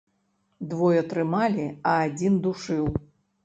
Двое трымалі, а адзін душыў.